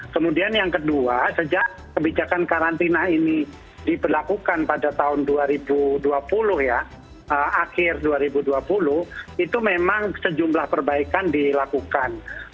kemudian yang kedua sejak kebijakan karantina ini diberlakukan pada tahun dua ribu dua puluh ya akhir dua ribu dua puluh itu memang sejumlah perbaikan dilakukan